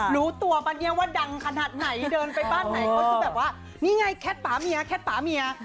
รู้ตัวปะเนี่ยว่าดังขนาดไหนเดินไปบ้านไหนเขาจะแบบว่านี่ไงแคทป่าเมียแคทป่าเมีย